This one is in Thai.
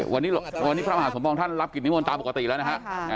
วันนี้พระมหาสมปองท่านรับกิจนิมนต์ตามปกติแล้วนะฮะ